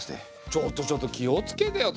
ちょっとちょっと気を付けてよ。